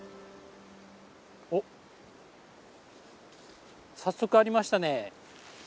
おっ早速ありましたね。